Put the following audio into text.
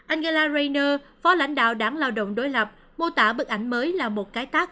angela rainer phó lãnh đạo đảng lao động đối lập mô tả bức ảnh mới là một cái tác